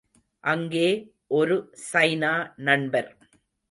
அங்கே ஒரு சைனா நண்பர்.